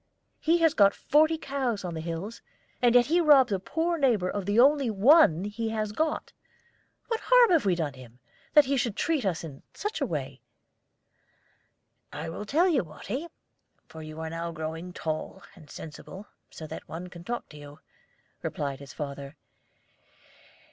He has got forty cows on the hills, and yet robs a poor neighbor of the only one he has got. What harm have we done him, that he should treat us in such a way?" "I will tell you, Watty, for you are now growing tall and sensible, so that one can talk to you," replied his father.